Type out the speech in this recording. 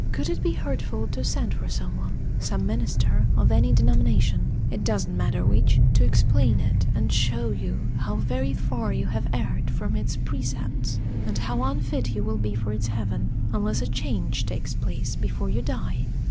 Could it be hurtful to send for some one some minister of any denomination, it does not matter which to explain it, and show you how very far you have erred from its precepts, and how unfit you will be for its heaven, unless a change takes place before you die?"